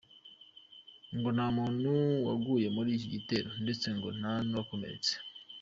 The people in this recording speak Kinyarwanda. Ngo nta muntu waguye muri iki gitero ndetse ngo nta n’uwakomeretse.